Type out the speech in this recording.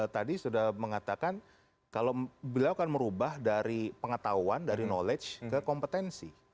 tadi sudah mengatakan kalau beliau akan merubah dari pengetahuan dari knowledge ke kompetensi